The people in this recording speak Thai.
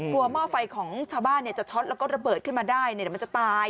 หม้อไฟของชาวบ้านจะช็อตแล้วก็ระเบิดขึ้นมาได้เดี๋ยวมันจะตาย